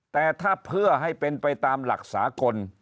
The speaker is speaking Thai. แต่ถ้าเพื่อให้เป็นไปตามหลักสากล